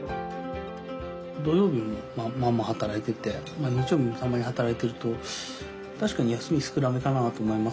土曜日も働いてて日曜日もたまに働いてると確かに休み少なめかなと思いますけどね。